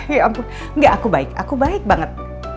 ya ampun enggak aku baik aku baik banget